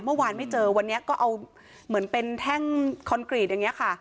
เมื่อวานไม่เจอวันนี้ก็เอาเหมือนเป็นแท่งคอนกรีตอย่างนี้ค่ะ